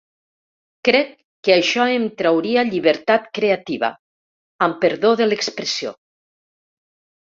Crec que això em trauria llibertat creativa, amb perdó de l’expressió!